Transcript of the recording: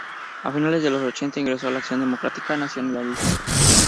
A finales de los ochenta ingresó a Acción Democrática Nacionalista.